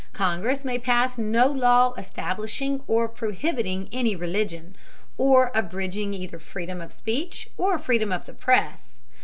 Congress may pass no law establishing or prohibiting any religion, or abridging either freedom of speech or freedom of the press.